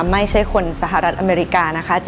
ไม่ใช่คนสหรัฐอเมริกานะคะ